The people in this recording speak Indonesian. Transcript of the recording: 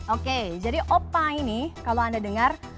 oke jadi opa ini kalau anda dengar